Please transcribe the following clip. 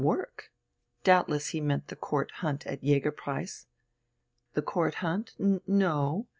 Work? Doubtless he meant the Court Hunt at "Jägerpreis." The Court Hunt? No.